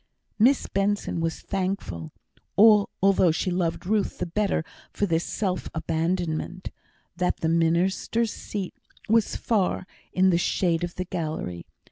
Miss Benson was thankful (although she loved Ruth the better for this self abandonment) that the minister's seat was far in the shade of the gallery.